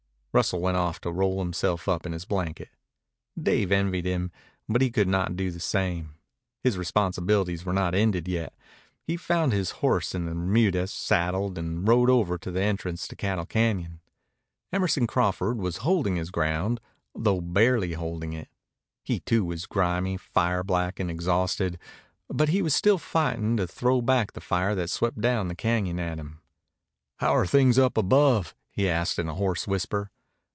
Russell went off to roll himself up in his blanket. Dave envied him, but he could not do the same. His responsibilities were not ended yet. He found his horse in the remuda, saddled, and rode over to the entrance to Cattle Cañon. Emerson Crawford was holding his ground, though barely holding it. He too was grimy, fire blackened, exhausted, but he was still fighting to throw back the fire that swept down the cañon at him. "How are things up above?" he asked in a hoarse whisper.